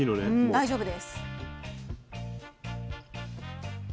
大丈夫です。